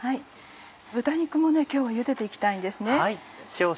豚肉も今日は茹でて行きたいんですね。